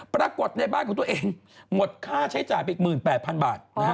ปรากฏในบ้านของตัวเองหมดค่าใช้จ่ายไปอีก๑๘๐๐๐บาทนะฮะ